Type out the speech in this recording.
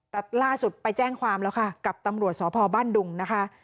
แต่ล่าสุดไปแจ้งความแล้วค่ะกับตำรวจสพบ้านดุงนะคะ